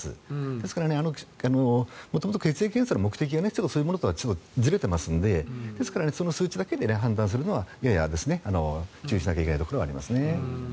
ですから、元々血液検査の目的はそういうものとはずれていますのでその数値だけで判断するのは注意しないといけないです。